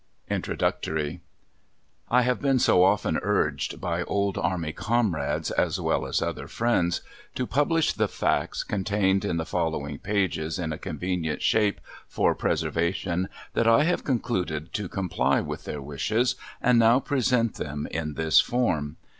"_ INTRODUCTORY. I have been so often urged by old army comrades, as well as other friends, to publish the facts contained in the following pages in a convenient shape for preservation, that I have concluded to comply with their wishes, and now present them in this form.